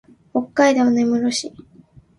北海道根室市